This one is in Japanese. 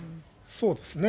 そうですね。